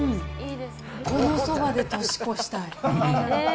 このそばで年越したい。